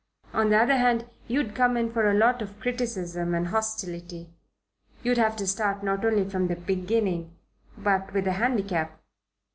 On the other hand, you'd come in for a lot of criticism and hostility. You'd have to start not only from the beginning, but with a handicap.